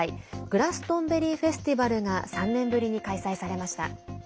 グラストンベリー・フェスティバルが３年ぶりに開催されました。